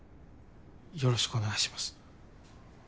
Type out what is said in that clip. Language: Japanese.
よろしくお願いします。